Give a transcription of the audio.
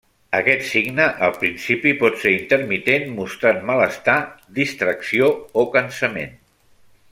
Aquest signe al principi pot ser intermitent mostrant malestar, distracció o cansament.